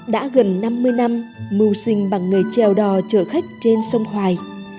đã gần năm mươi năm mù sinh bằng người trèo đò chở khách trên sông hoài